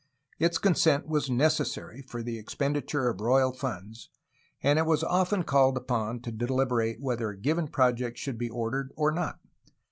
Its consent was necessary for the expen diture of royal funds, and it was often called upon to deliberate whether a given project should be ordered or not.